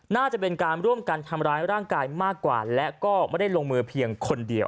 น่าจะเป็นการร่วมกันทำร้ายร่างกายมากกว่าและก็ไม่ได้ลงมือเพียงคนเดียว